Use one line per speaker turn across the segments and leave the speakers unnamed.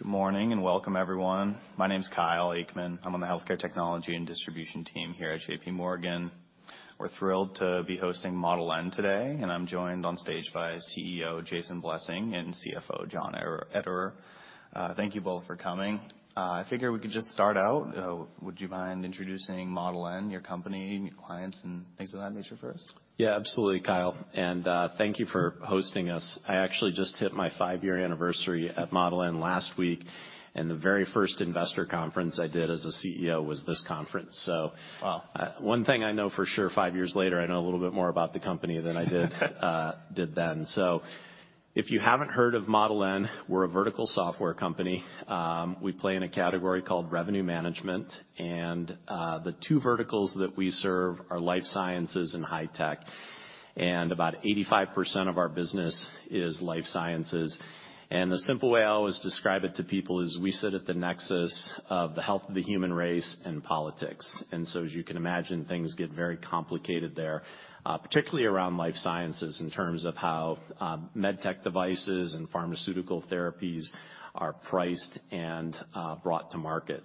Good morning, welcome everyone. My name's Kyle Aikman. I'm on the healthcare technology and distribution team here at JPMorgan. We're thrilled to be hosting Model N today. I'm joined on stage by CEO, Jason Blessing, and CFO, John Ederer. Thank you both for coming. I figure we could just start out. Would you mind introducing Model N, your company, your clients and things of that nature first?
Yeah, absolutely, Kyle. Thank you for hosting us. I actually just hit my 5-year anniversary at Model N last week, and the very first investor conference I did as a CEO was this conference.
Wow.
1 thing I know for sure, 5 years later, I know a little bit more about the company than I did then. If you haven't heard of Model N, we're a vertical software company. We play in a category called revenue management, and the 2 verticals that we serve are life sciences and high-tech. About 85% of our business is life sciences. The simple way I always describe it to people is we sit at the nexus of the health of the human race and politics. As you can imagine, things get very complicated there, particularly around life sciences in terms of how med tech devices and pharmaceutical therapies are priced and brought to market.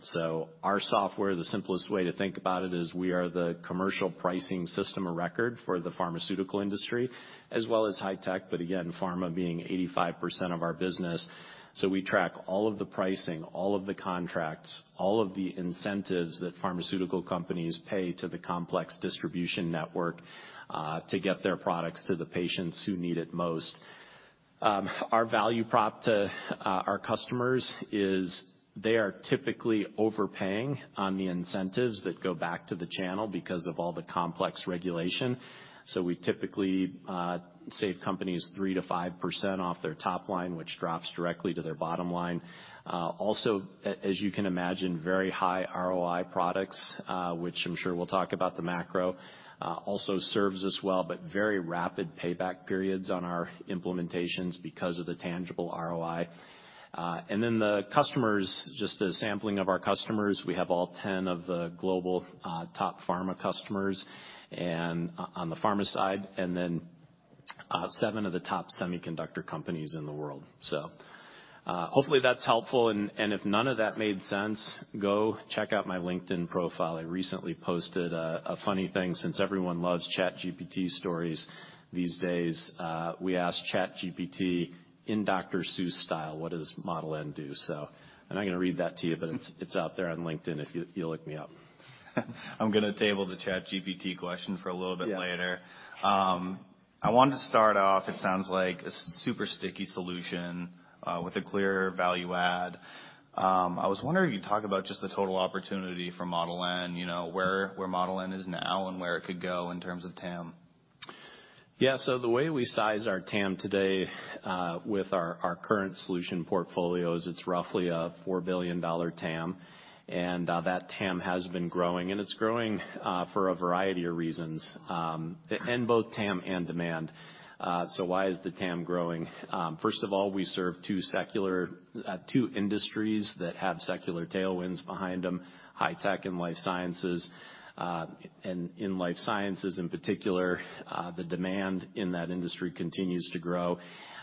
Our software, the simplest way to think about it is we are the commercial pricing system of record for the pharmaceutical industry as well as high-tech, again, pharma being 85% of our business. We track all of the pricing, all of the contracts, all of the incentives that pharmaceutical companies pay to the complex distribution network, to get their products to the patients who need it most. Our value prop to our customers is they are typically overpaying on the incentives that go back to the channel because of all the complex regulation. We typically save companies 3%-5% off their top line, which drops directly to their bottom line. Also as you can imagine, very high ROI products, which I'm sure we'll talk about the macro, also serves us well, but very rapid payback periods on our implementations because of the tangible ROI. And then the customers, just a sampling of our customers, we have all 10 of the global, top pharma customers and on the pharma side, and then, 7 of the top semiconductor companies in the world. Hopefully, that's helpful, and if none of that made sense, go check out my LinkedIn profile. I recently posted a funny thing since everyone loves ChatGPT stories these days. We asked ChatGPT in Dr. Seuss style, what does Model N do? I'm not gonna read that to you, but it's out there on LinkedIn if you look me up.
I'm gonna table the ChatGPT question for a little bit later.
Yeah.
I wanted to start off, it sounds like a super sticky solution, with a clear value add. I was wondering if you talk about just the total opportunity for Model N, you know, where Model N is now and where it could go in terms of TAM?
Yeah. The way we size our TAM today, with our current solution portfolio is it's roughly a $4 billion TAM. That TAM has been growing, and it's growing for a variety of reasons, in both TAM and demand. Why is the TAM growing? First of all, we serve 2 industries that have secular tailwinds behind them, high-tech and life sciences. In life sciences in particular, the demand in that industry continues to grow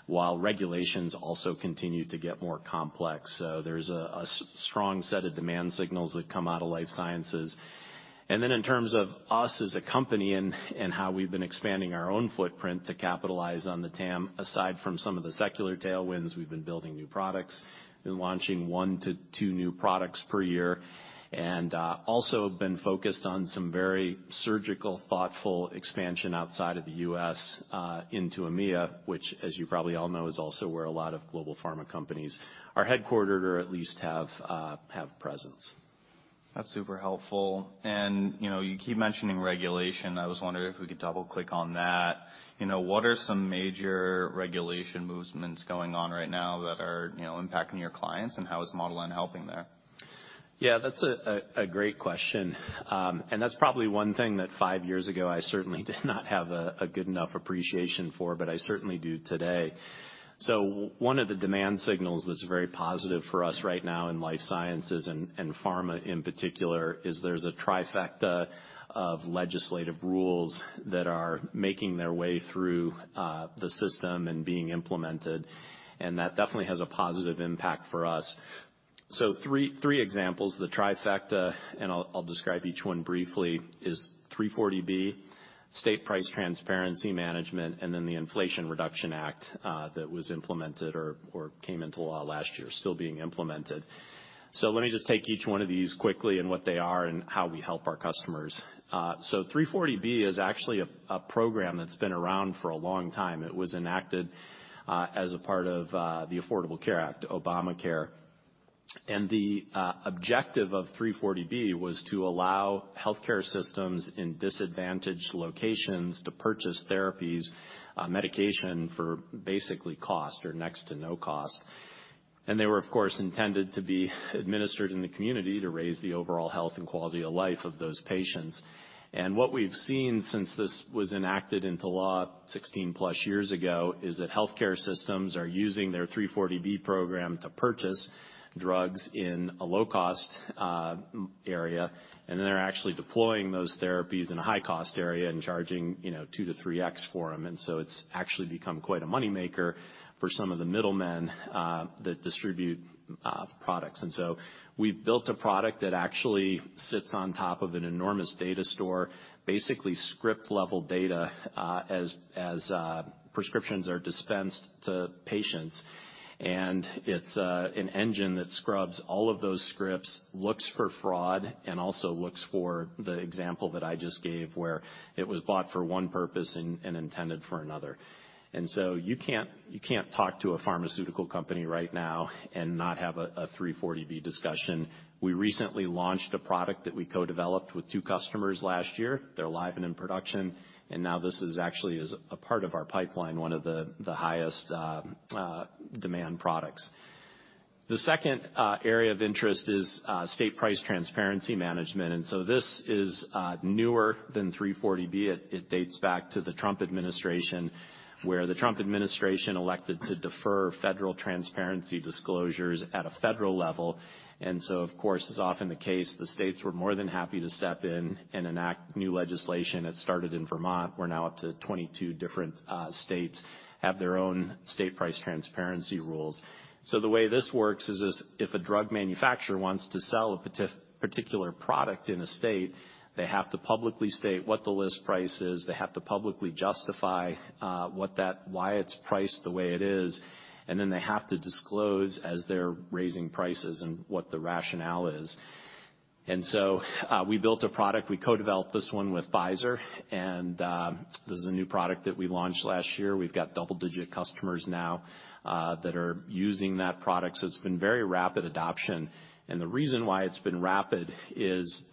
while regulations also continue to get more complex. There's a strong set of demand signals that come out of life sciences. In terms of us as a company and how we've been expanding our own footprint to capitalize on the TAM, aside from some of the secular tailwinds, we've been building new products. We've been launching 1 to 2 new products per year. Also have been focused on some very surgical, thoughtful expansion outside of the U.S. into EMEA, which as you probably all know, is also where a lot of global pharma companies are headquartered or at least have presence.
That's super helpful. You know, you keep mentioning regulation. I was wondering if we could double-click on that. You know, what are some major regulation movements going on right now that are, you know, impacting your clients, and how is Model N helping there?
Yeah, that's a great question. That's probably 1 thing that 5 years ago I certainly did not have a good enough appreciation for, but I certainly do today. One of the demand signals that's very positive for us right now in life sciences and pharma in particular, is there's a trifecta of legislative rules that are making their way through the system and being implemented, and that definitely has a positive impact for us. 3 examples, the trifecta, and I'll describe each 1 briefly, is 340B, State Price Transparency Management, and then the Inflation Reduction Act, that was implemented or came into law last year, still being implemented. Let me just take each one of these quickly and what they are and how we help our customers. 340B is actually a program that's been around for a long time. It was enacted as a part of the Affordable Care Act, Obamacare. The objective of 340B was to allow healthcare systems in disadvantaged locations to purchase therapies, medication for basically cost or next to no cost. They were, of course, intended to be administered in the community to raise the overall health and quality of life of those patients. What we've seen since this was enacted into law 16 plus years ago, is that healthcare systems are using their 340B program to purchase drugs in a low-cost area, and they're actually deploying those therapies in a high-cost area and charging, you know, 2-3x for them. It's actually become quite a moneymaker for some of the middlemen that distribute products. We've built a product that actually sits on top of an enormous data store, basically script-level data, as prescriptions are dispensed to patients. It's an engine that scrubs all of those scripts, looks for fraud, and also looks for the example that I just gave, where it was bought for 1 purpose and intended for another. You can't talk to a pharmaceutical company right now and not have a 340B discussion. We recently launched a product that we co-developed with 2 customers last year. They're live and in production, this actually is a part of our pipeline, one of the highest demand products. The second area of interest is State Price Transparency Management. This is newer than 340B. It dates back to the Trump administration, where the Trump administration elected to defer federal transparency disclosures at a federal level. Of course, as often the case, the states were more than happy to step in and enact new legislation. It started in Vermont. We're now up to 22 different states have their own state price transparency rules. The way this works is if a drug manufacturer wants to sell a particular product in a state, they have to publicly state what the list price is. They have to publicly justify why it's priced the way it is. They have to disclose as they're raising prices and what the rationale is. We built a product. We co-developed this one with Pfizer. This is a new product that we launched last year. We've got double-digit customers now that are using that product. It's been very rapid adoption. The reason why it's been rapid is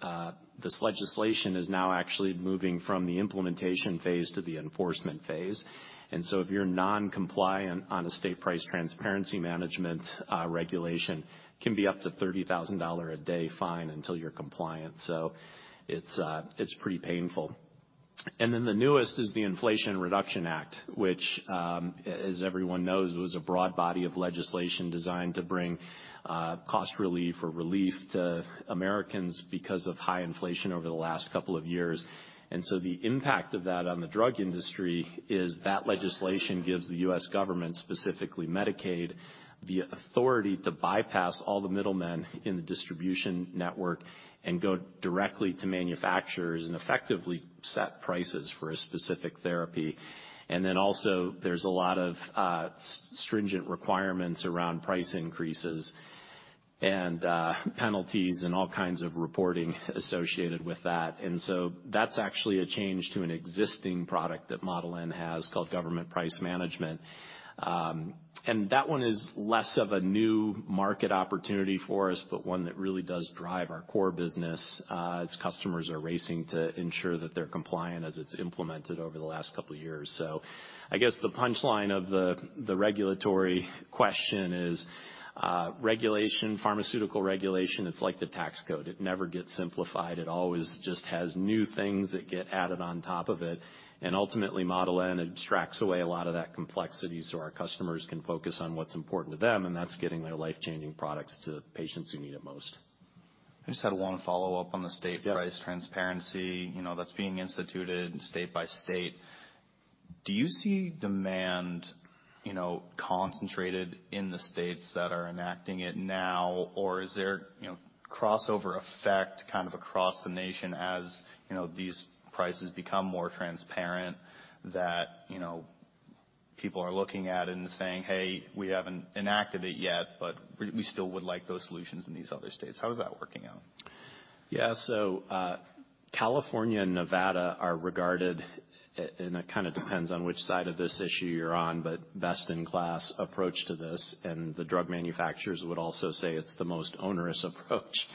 this legislation is now actually moving from the implementation phase to the enforcement phase. If you're non-compliant on a State Price Transparency Management regulation, can be up to a $30,000 a day fine until you're compliant. It's pretty painful. The newest is the Inflation Reduction Act, which, as everyone knows, was a broad body of legislation designed to bring cost relief or relief to Americans because of high inflation over the last couple of years. The impact of that on the drug industry is that legislation gives the U.S. government, specifically Medicaid, the authority to bypass all the middlemen in the distribution network and go directly to manufacturers and effectively set prices for a specific therapy. Also there's a lot of stringent requirements around price increases and penalties and all kinds of reporting associated with that. That's actually a change to an existing product that Model N has called Government Price Management. That one is less of a new market opportunity for us, but one that really does drive our core business. Its customers are racing to ensure that they're compliant as it's implemented over the last couple of years. I guess the punchline of the regulatory question is regulation, pharmaceutical regulation, it's like the tax code. It never gets simplified. It always just has new things that get added on top of it. Ultimately, Model N extracts away a lot of that complexity so our customers can focus on what's important to them, and that's getting their life-changing products to patients who need it most.
I just had 1 follow up on the state-.
Yeah.
Price transparency, you know, that's being instituted state by state. Do you see demand, you know, concentrated in the states that are enacting it now? Is there, you know, crossover effect kind of across the nation as, you know, these prices become more transparent that, you know, people are looking at it and saying, "Hey, we haven't enacted it yet, but we still would like those solutions in these other states." How is that working out?
California and Nevada are regarded, and it kinda depends on which side of this issue you're on, but best-in-class approach to this. The drug manufacturers would also say it's the most onerous approach.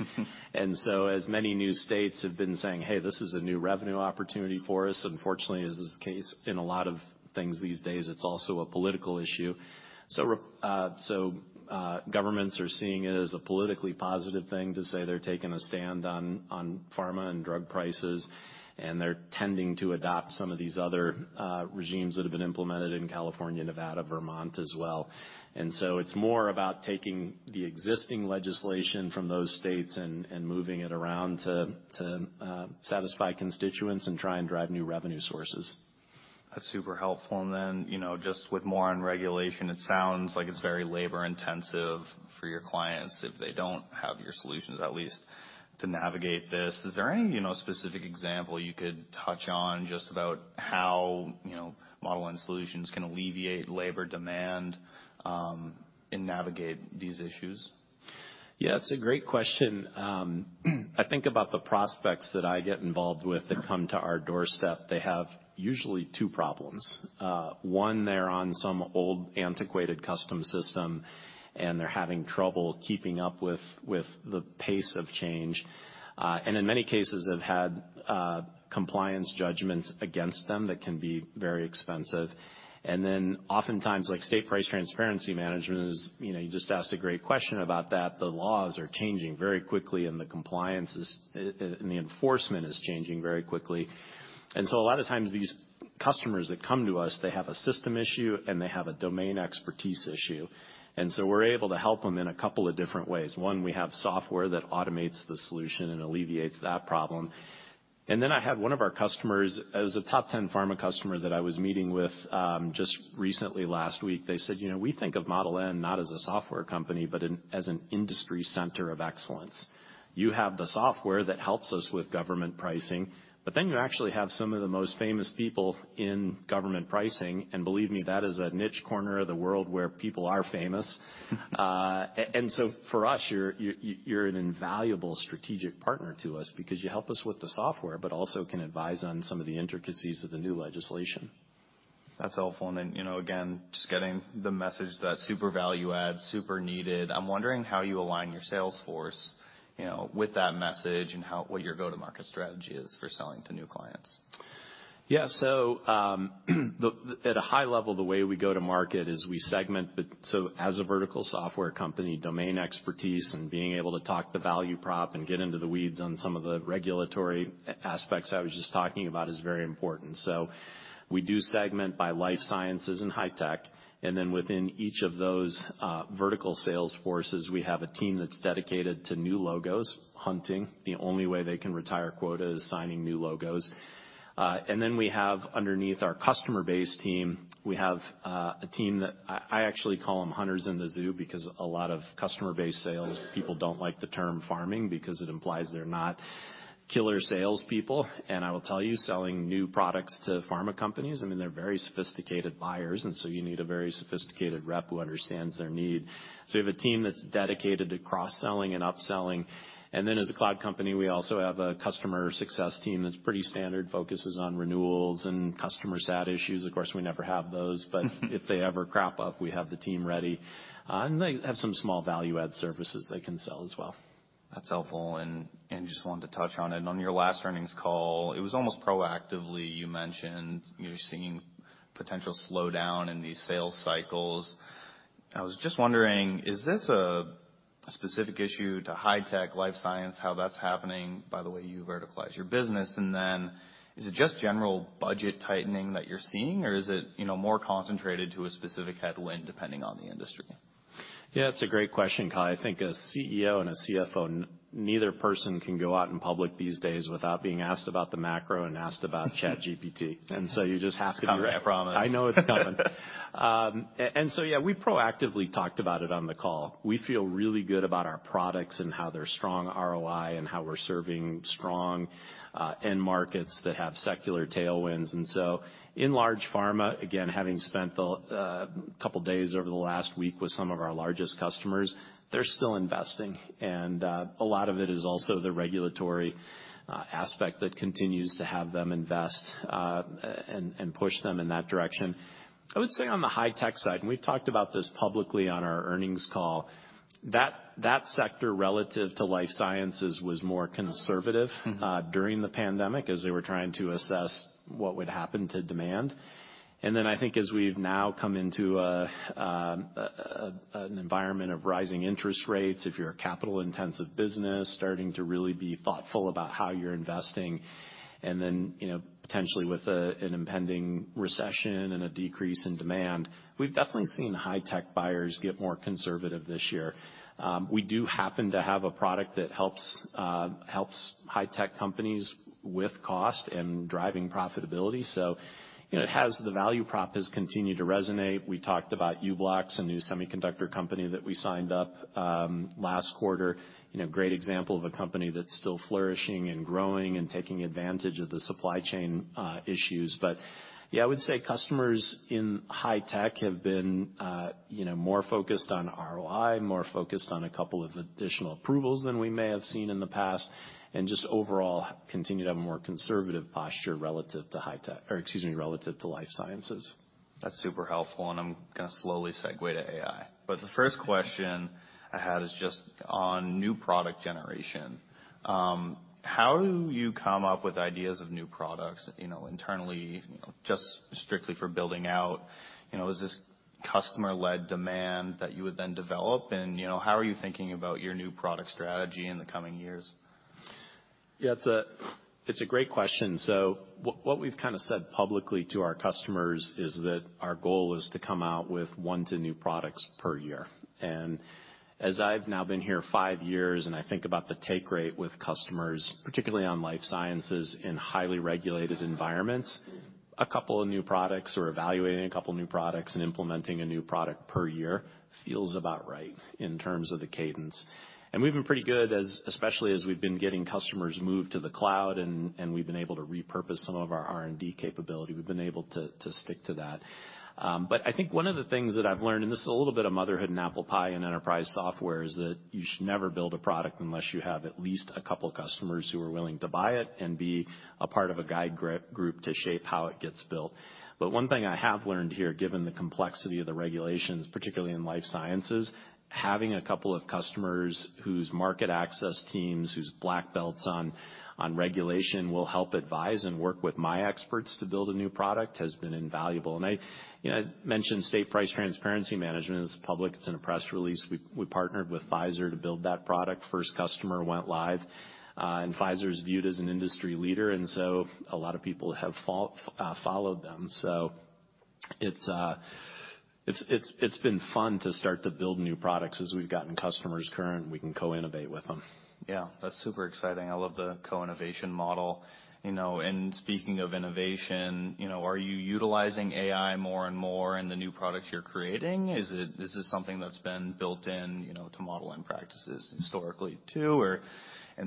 As many new states have been saying, "Hey, this is a new revenue opportunity for us," unfortunately, as is the case in a lot of things these days, it's also a political issue. Governments are seeing it as a politically positive thing to say they're taking a stand on pharma and drug prices, and they're tending to adopt some of these other regimes that have been implemented in California, Nevada, Vermont as well. It's more about taking the existing legislation from those states and moving it around to satisfy constituents and try and drive new revenue sources.
That's super helpful. You know, just with more on regulation, it sounds like it's very labor-intensive for your clients if they don't have your solutions, at least to navigate this. Is there any, you know, specific example you could touch on just about how, you know, Model N solutions can alleviate labor demand and navigate these issues?
Yeah, it's a great question. I think about the prospects that I get involved with that come to our doorstep. They have usually 2 problems. 1, they're on some old, antiquated custom system, and they're having trouble keeping up with the pace of change. In many cases have had compliance judgments against them that can be very expensive. Then oftentimes, like state price transparency laws is, you know, you just asked a great question about that. The laws are changing very quickly, and the compliance is and the enforcement is changing very quickly. A lot of times these Customers that come to us, they have a system issue, and they have a domain expertise issue. We're able to help them in a couple of different ways. 1, we have software that automates the solution and alleviates that problem. I had one of our customers, it was a top 10 pharma customer that I was meeting with just recently last week. They said, "You know, we think of Model N not as a software company, but as an industry center of excellence. You have the software that helps us with Government Pricing, you actually have some of the most famous people in Government Pricing." Believe me, that is a niche corner of the world where people are famous. For us, you're an invaluable strategic partner to us because you help us with the software, but also can advise on some of the intricacies of the new legislation.
That's helpful. You know, again, just getting the message that super value add, super needed. I'm wondering how you align your sales force, you know, with that message and what your go-to-market strategy is for selling to new clients?
At a high level, the way we go to market is we segment. As a vertical software company, domain expertise and being able to talk the value prop and get into the weeds on some of the regulatory aspects I was just talking about is very important. We do segment by life sciences and high-tech, and then within each of those vertical sales forces, we have a team that's dedicated to new logos, hunting. The only way they can retire quota is signing new logos. We have, underneath our customer base team, we have a team that I actually call them hunters in the zoo, because a lot of customer base sales people don't like the term farming because it implies they're not killer salespeople. I will tell you, selling new products to pharma companies, I mean, they're very sophisticated buyers, you need a very sophisticated rep who understands their need. We have a team that's dedicated to cross-selling and upselling. As a cloud company, we also have a customer success team that's pretty standard, focuses on renewals and customer sat issues. Of course, we never have those. If they ever crop up, we have the team ready. They have some small value add services they can sell as well.
That's helpful. Just wanted to touch on it. On your last earnings call, it was almost proactively you mentioned you're seeing potential slowdown in these sales cycles. I was just wondering, is this a specific issue to high-tech life science, how that's happening by the way you verticalize your business? Is it just general budget tightening that you're seeing, or is it, you know, more concentrated to a specific headwind depending on the industry?
Yeah, it's a great question, Kyle. I think a CEO and a CFO, neither person can go out in public these days without being asked about the macro and asked about ChatGPT. You just have to-
It's coming, I promise.
I know it's coming. Yeah, we proactively talked about it on the call. We feel really good about our products and how they're strong ROI and how we're serving strong end markets that have secular tailwinds. In large pharma, again, having spent a couple days over the last week with some of our largest customers, they're still investing. A lot of it is also the regulatory aspect that continues to have them invest and push them in that direction. I would say on the high-tech side, and we've talked about this publicly on our earnings call, that sector, relative to life sciences, was more conservative
Mm-hmm
during the pandemic as they were trying to assess what would happen to demand. I think as we've now come into an environment of rising interest rates, if you're a capital-intensive business, starting to really be thoughtful about how you're investing, and then, you know, potentially with a, an impending recession and a decrease in demand, we've definitely seen high-tech buyers get more conservative this year. We do happen to have a product that helps high-tech companies with cost and driving profitability. You know, it has the value prop has continued to resonate. We talked about u-blox, a new semiconductor company that we signed up, last quarter. You know, great example of a company that's still flourishing and growing and taking advantage of the supply chain, issues. Yeah, I would say customers in high-tech have been, you know, more focused on ROI, more focused on a couple of additional approvals than we may have seen in the past, and just overall continue to have a more conservative posture relative to life sciences.
That's super helpful, I'm going to slowly segue to AI. The first question I had is just on new product generation. How do you come up with ideas of new products, you know, internally, just strictly for building out? You know, is this customer-led demand that you would then develop? You know, how are you thinking about your new product strategy in the coming years?
Yeah, it's a great question. What we've kinda said publicly to our customers is that our goal is to come out with 1 to new products per year. As I've now been here 5 years and I think about the take rate with customers, particularly on life sciences in highly regulated environments, a couple of new products or evaluating a couple new products and implementing a new product per year feels about right in terms of the cadence. We've been pretty good, especially as we've been getting customers moved to the cloud, and we've been able to repurpose some of our R&D capability. We've been able to stick to that. I think one of the things that I've learned, and this is a little bit of motherhood and apple pie and enterprise software, is that you should never build a product unless you have at least a couple customers who are willing to buy it and be a part of a guide group to shape how it gets built. 1 thing I have learned here, given the complexity of the regulations, particularly in life sciences, having a couple of customers whose market access teams, whose black belts on regulation will help advise and work with my experts to build a new product has been invaluable. I, you know, mentioned State Price Transparency Management. It's public, it's in a press release. We partnered with Pfizer to build that product. First customer went live. Pfizer is viewed as an industry leader, a lot of people have followed them. It's been fun to start to build new products. As we've gotten customers current, we can co-innovate with them.
Yeah, that's super exciting. I love the co-innovation model, you know. Speaking of innovation, you know, are you utilizing AI more and more in the new products you're creating? Is this something that's been built in, you know, to Model N practices historically too?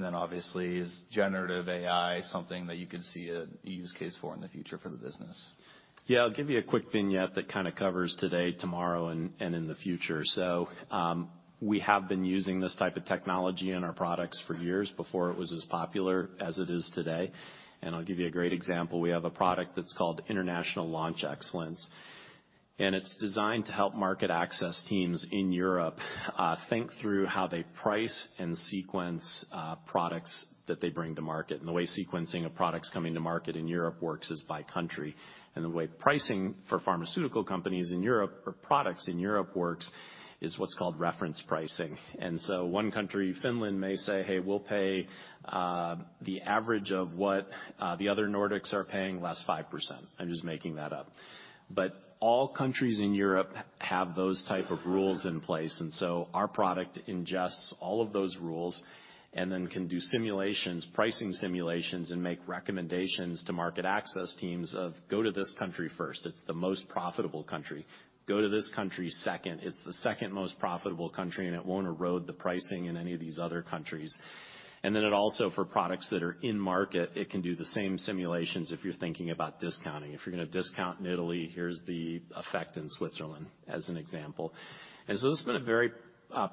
Obviously, is generative AI something that you could see a use case for in the future for the business?
Yeah. I'll give you a quick vignette that kind of covers today, tomorrow, and in the future. We have been using this type of technology in our products for years before it was as popular as it is today. I'll give you a great example. We have a product that's called International Launch Excellence, and it's designed to help market access teams in Europe think through how they price and sequence products that they bring to market. The way sequencing of products coming to market in Europe works is by country. The way pricing for pharmaceutical companies in Europe or products in Europe works is what's called reference pricing. 1 country, Finland, may say, "Hey, we'll pay the average of what the other Nordics are paying, less 5%." I'm just making that up. All countries in Europe have those type of rules in place, our product ingests all of those rules and then can do simulations, pricing simulations, and make recommendations to market access teams of, "Go to this country first. It's the most profitable country. Go to this country second. It's the second-most profitable country, and it won't erode the pricing in any of these other countries." It also, for products that are in market, it can do the same simulations if you're thinking about discounting. If you're gonna discount in Italy, here's the effect in Switzerland, as an example. This has been a very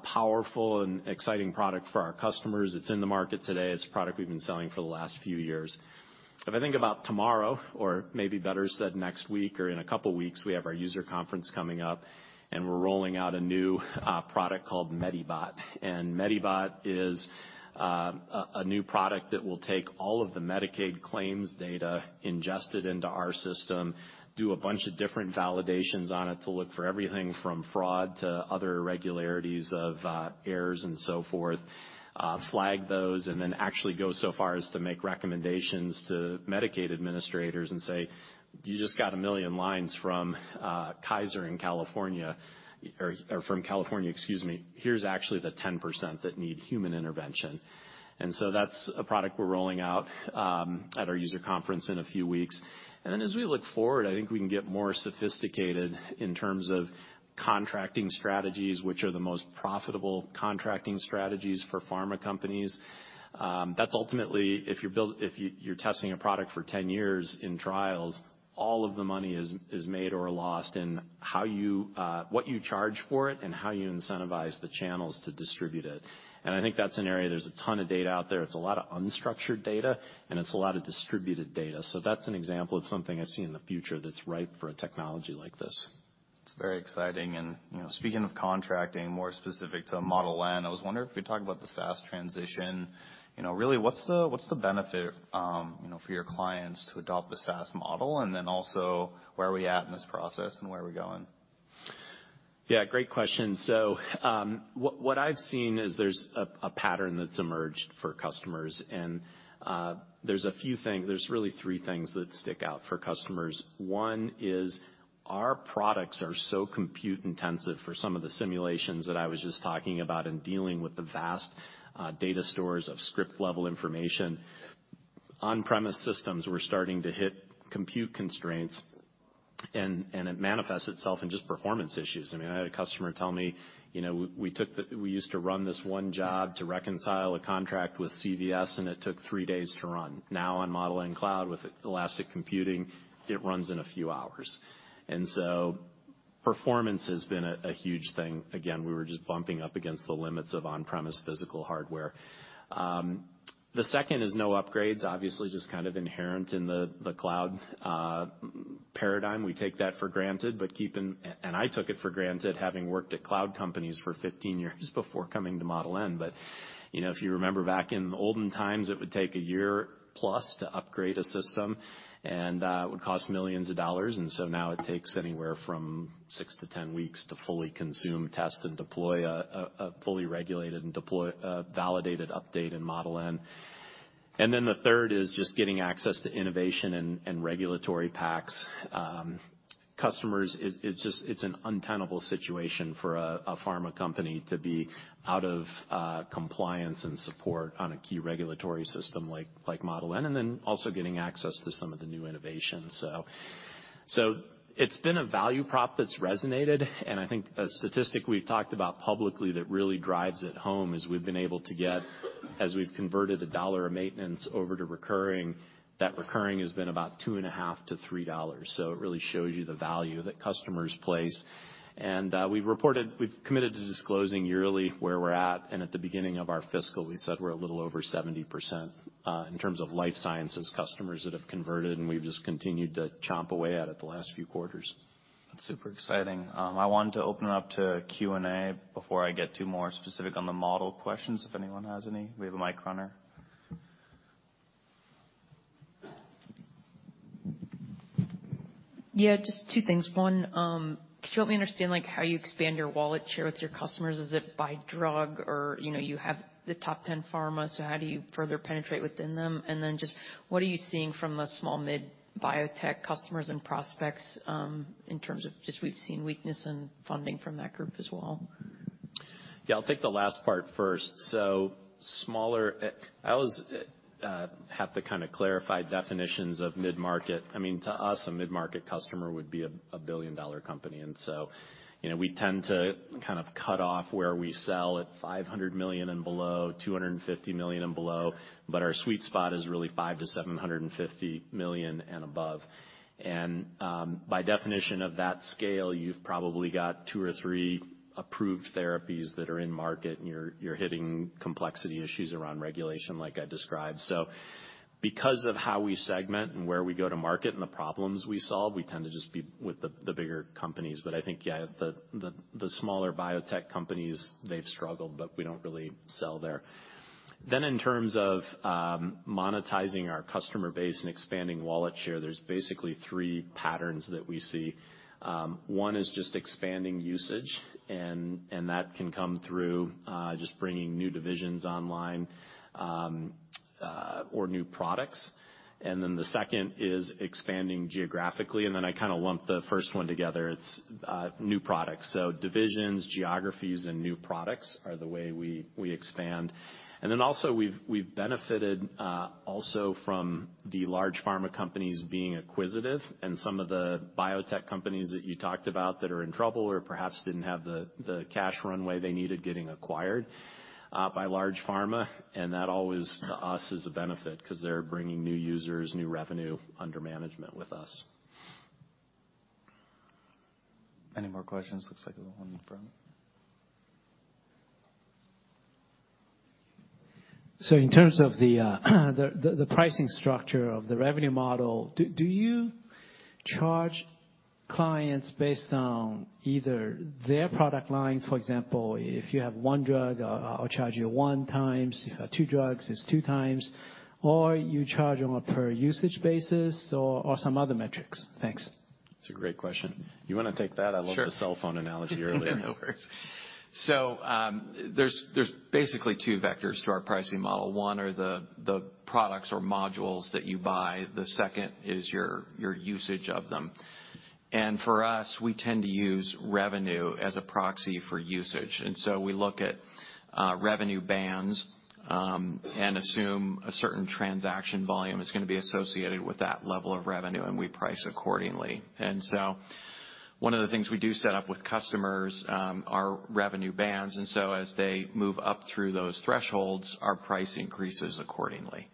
powerful and exciting product for our customers. It's in the market today. It's a product we've been selling for the last few years. If I think about tomorrow, or maybe better said, next week or in 2 weeks, we have our user conference coming up, and we're rolling out a new product called Medibot. Medibot is a new product that will take all of the Medicaid claims data ingested into our system, do a bunch of different validations on it to look for everything from fraud to other irregularities of errors and so forth, flag those, and then actually go so far as to make recommendations to Medicaid administrators and say, "You just got 1 million lines from Kaiser in California," or from California, excuse me. "Here's actually the 10% that need human intervention." That's a product we're rolling out at our user conference in a few weeks. As we look forward, I think we can get more sophisticated in terms of contracting strategies, which are the most profitable contracting strategies for pharma companies. That's ultimately, if you're testing a product for 10 years in trials, all of the money is made or lost in how you what you charge for it and how you incentivize the channels to distribute it. I think that's an area there's a ton of data out there. It's a lot of unstructured data, and it's a lot of distributed data. That's an example of something I see in the future that's ripe for a technology like this.
It's very exciting. You know, speaking of contracting, more specific to Model N, I was wondering if you could talk about the SaaS transition. You know, really, what's the benefit, you know, for your clients to adopt the SaaS model? Where are we at in this process and where are we going?
Yeah, great question. What I've seen is there's a pattern that's emerged for customers and there's a few things. There's really 3 things that stick out for customers. 1 is our products are so compute-intensive for some of the simulations that I was just talking about in dealing with the vast data stores of script-level information. On-premise systems were starting to hit compute constraints and it manifests itself in just performance issues. I mean, I had a customer tell me, you know, "We used to run this 1 job to reconcile a contract with CVS, and it took 3 days to run. Now on Model N Cloud with elastic computing, it runs in a few hours." Performance has been a huge thing. Again, we were just bumping up against the limits of on-premise physical hardware. The second is no upgrades. Obviously, just kind of inherent in the cloud paradigm. We take that for granted, but I took it for granted having worked at cloud companies for 15 years before coming to Model N. You know, if you remember back in olden times, it would take a year plus to upgrade a system, and it would cost millions of dollars. Now it takes anywhere from 6 to 10 weeks to fully consume, test, and deploy a fully regulated validated update in Model N. The third is just getting access to innovation and regulatory packs. Customers, it's an untenable situation for a pharma company to be out of compliance and support on a key regulatory system like Model N, and then also getting access to some of the new innovations. It's been a value prop that's resonated, and I think a statistic we've talked about publicly that really drives it home is we've been able to get, as we've converted $1 of maintenance over to recurring, that recurring has been about 2 and a half to $3. It really shows you the value that customers place. We've committed to disclosing yearly where we're at, and at the beginning of our fiscal, we said we're a little over 70% in terms of life sciences customers that have converted, and we've just continued to chomp away at it the last few quarters.
That's super exciting. I want to open it up to Q&A before I get too more specific on the Model questions, if anyone has any. We have a mic runner.
Yeah, just 2 things. 1, Could you help me understand, like, how you expand your wallet share with your customers? Is it by drug or, you know, you have the top 10 pharma, so how do you further penetrate within them? What are you seeing from the small mid biotech customers and prospects, in terms of just we've seen weakness in funding from that group as well?
Yeah, I'll take the last part first. I always have to kind of clarify definitions of mid-market. I mean, to us, a mid-market customer would be a billion-dollar company, you know, we tend to kind of cut off where we sell at $500 million and below, $250 million and below. Our sweet spot is really $5 million-$750 million and above. By definition of that scale, you've probably got 2 or 3 approved therapies that are in market, and you're hitting complexity issues around regulation like I described. Because of how we segment and where we go to market and the problems we solve, we tend to just be with the bigger companies. I think, yeah, the smaller biotech companies, they've struggled, but we don't really sell there. In terms of monetizing our customer base and expanding wallet share, there's basically 3 patterns that we see. 1 is just expanding usage, and that can come through just bringing new divisions online or new products. The second is expanding geographically, and then I kind of lump the first one together. It's new products. Divisions, geographies, and new products are the way we expand. Also we've benefited also from the large pharma companies being acquisitive and some of the biotech companies that you talked about that are in trouble or perhaps didn't have the cash runway they needed getting acquired by large pharma. That always to us is a benefit because they're bringing new users, new revenue management with us.
Any more questions? Looks like one in the front.
In terms of the pricing structure of the revenue model, do you charge clients based on either their product lines, for example, if you have 1 drug, I'll charge you 1 times, if you have 2 drugs, it's 2 times, or you charge on a per usage basis or some other metrics? Thanks.
That's a great question. You wanna take that?
Sure.
I loved the cell phone analogy earlier.
No worries. There's basically 2 vectors to our pricing model. 1 are the products or modules that you buy. The second is your usage of them. For us, we tend to use revenue as a proxy for usage. We look at revenue bands and assume a certain transaction volume is gonna be associated with that level of revenue, and we price accordingly. One of the things we do set up with customers are revenue bands, and so as they move up through those thresholds, our price increases accordingly.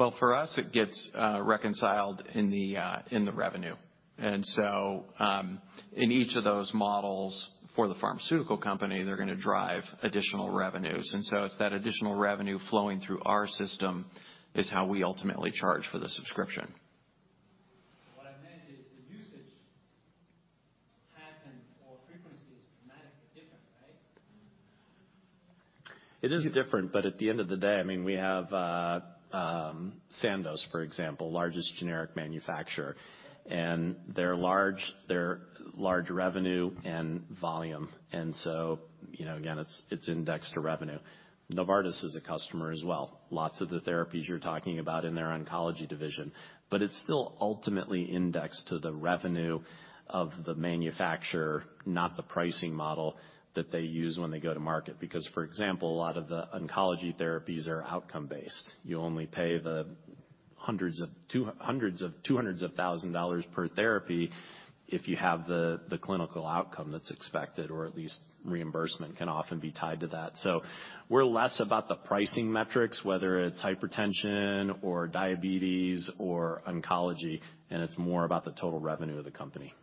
For example, in rare drugs, each drug costs you $500,000, whereas hypertension drugs, each 1 costs you $1,000 a year. Obviously the usage could be dramatically different. In rare disease, you only have 1,000 patients. Hypertension, you've got millions. How do you reconcile these 2?
For us, it gets reconciled in the revenue. In each of those models for the pharmaceutical company, they're gonna drive additional revenues. It's that additional revenue flowing through our system is how we ultimately charge for the subscription.
What I meant is the usage pattern or frequency is dramatically different, right?
It is different. At the end of the day, I mean, we have Sandoz, for example, largest generic manufacturer, and they're large, they're large revenue and volume. You know, again, it's indexed to revenue. Novartis is a customer as well. Lots of the therapies you're talking about in their oncology division. It's still ultimately indexed to the revenue of the manufacturer, not the pricing model that they use when they go to market. For example, a lot of the oncology therapies are outcome based. You only pay the hundreds of thousand dollars per therapy if you have the clinical outcome that's expected, or at least reimbursement can often be tied to that. We're less about the pricing metrics, whether it's hypertension or diabetes or oncology, and it's more about the total revenue of the company.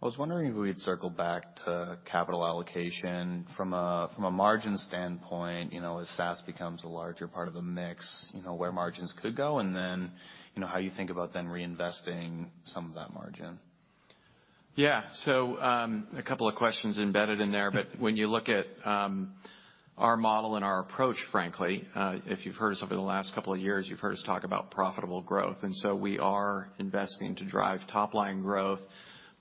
I was wondering if we'd circle back to capital allocation from a margin standpoint, you know, as SaaS becomes a larger part of the mix, you know, where margins could go and then, you know, how you think about then reinvesting some of that margin.
Yeah. A couple of questions embedded in there. When you look at our Model N and our approach, frankly, if you've heard us over the last couple of years, you've heard us talk about profitable growth. We are investing to drive top-line growth,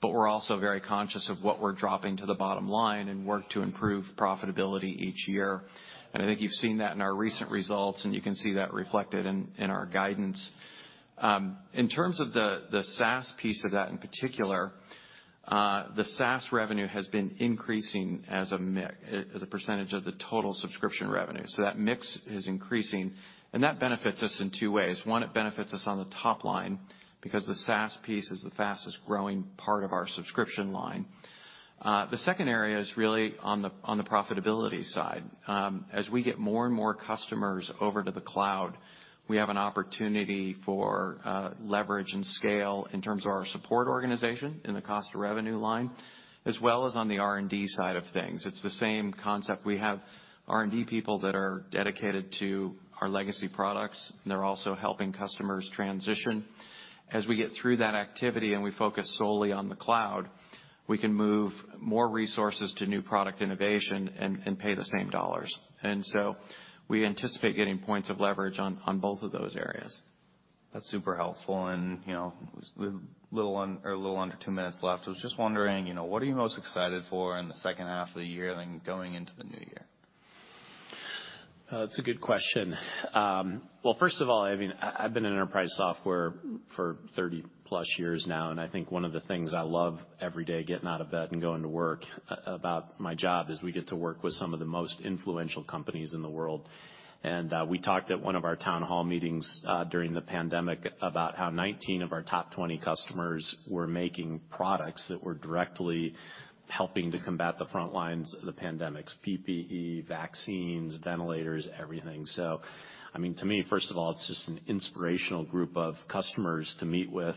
but we're also very conscious of what we're dropping to the bottom line and work to improve profitability each year. I think you've seen that in our recent results, and you can see that reflected in our guidance. In terms of the SaaS piece of that in particular, the SaaS revenue has been increasing as a percentage of the total subscription revenue. That mix is increasing, and that benefits us in 2 ways. 1, it benefits us on the top line because the SaaS piece is the fastest-growing part of our subscription line. The second area is really on the profitability side. As we get more and more customers over to the cloud, we have an opportunity for leverage and scale in terms of our support organization in the cost to revenue line, as well as on the R&D side of things. It's the same concept. We have R&D people that are dedicated to our legacy products, and they're also helping customers transition. As we get through that activity, and we focus solely on the cloud, we can move more resources to new product innovation and pay the same dollars. We anticipate getting points of leverage on both of those areas.
That's super helpful. you know, a little under 2 minutes left, I was just wondering, you know, what are you most excited for in the H2 of the year then going into the new year?
It's a good question. Well, first of all, I mean, I've been in enterprise software for 30-plus years now, and I think one of the things I love every day, getting out of bed and going to work about my job is we get to work with some of the most influential companies in the world. We talked at one of our town hall meetings during the pandemic about how 19 of our top 20 customers were making products that were directly helping to combat the front lines of the pandemics, PPE, vaccines, ventilators, everything. I mean, to me, first of all, it's just an inspirational group of customers to meet with.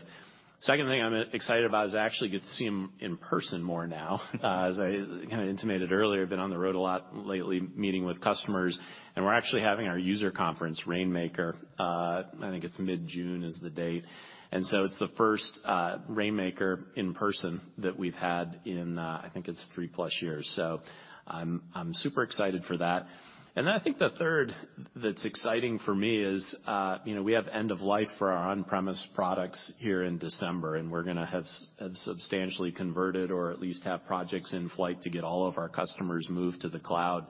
Second thing I'm excited about is I actually get to see them in person more now. As I kinda intimated earlier, been on the road a lot lately, meeting with customers. We're actually having our user conference, Rainmaker, I think it's mid-June is the date. It's the first Rainmaker in person that we've had in, I think it's 3-plus years. So I'm super excited for that. I think the third that's exciting for me is, you know, we have end of life for our on-premise products here in December. We're gonna have substantially converted or at least have projects in flight to get all of our customers moved to the cloud.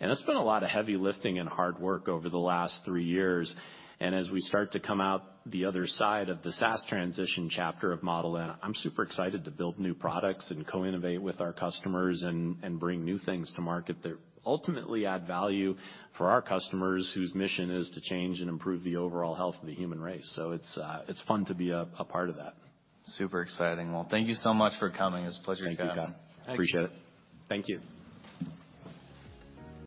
It's been a lot of heavy lifting and hard work over the last 3 years. As we start to come out the other side of the SaaS transition chapter of Model N, I'm super excited to build new products and co-innovate with our customers and bring new things to market that ultimately add value for our customers whose mission is to change and improve the overall health of the human race. It's, it's fun to be a part of that.
Super exciting. Well, thank you so much for coming. It's a pleasure to have you.
Thank you, Kyle. Appreciate it.
Thank you.